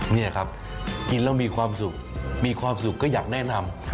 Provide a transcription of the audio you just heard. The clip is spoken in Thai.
นี่ครับกินแล้วมีความสุขมีความสุขก็อยากแนะนำ